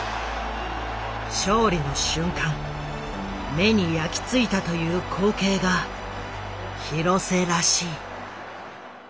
勝利の瞬間目に焼き付いたという光景が廣瀬らしい。